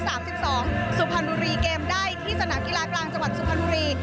สุพรรณบุรีเกมได้ที่สนามกีฬากลางจังหวัดสุพรรณบุรี